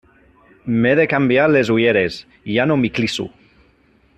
M'he de canviar les ulleres, ja no m'hi clisso.